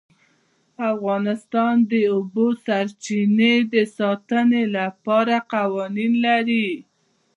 افغانستان د د اوبو سرچینې د ساتنې لپاره قوانین لري.